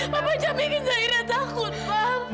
papa jangan bikin zahira takut pak